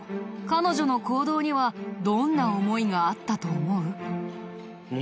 彼女の行動にはどんな思いがあったと思う？